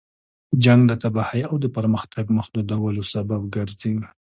جنګ د تباهۍ او د پرمختګ محدودولو سبب ګرځي.